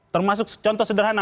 termasuk contoh sederhana